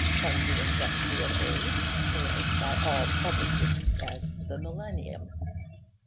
Came the Industrial Age, hailed by all publicists as the Millennium.